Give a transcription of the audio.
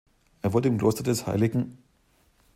Er wurde im Kloster des Hl.